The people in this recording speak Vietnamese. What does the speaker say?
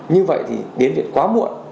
như vậy thì đến việc quá muộn